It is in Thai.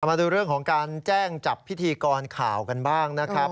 มาดูเรื่องของการแจ้งจับพิธีกรข่าวกันบ้างนะครับ